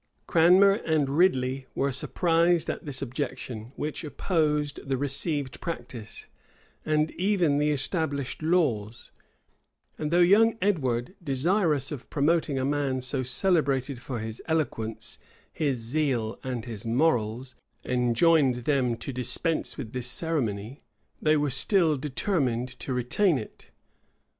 Cranmer and Ridley were surprised at this objection, which opposed the received practice, and even the established laws; and though young Edward, desirous of promoting a man so celebrated for his eloquence, his zeal, and his morals, enjoined them to dispense with this ceremony, they were still determined to retain it.